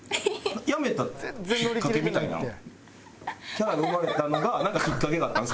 キャラが生まれたのがなんかきっかけがあったの？